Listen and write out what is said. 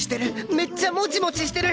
めっちゃモチモチしてる！